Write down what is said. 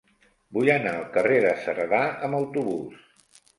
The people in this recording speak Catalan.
Vull anar al carrer de Cerdà amb autobús.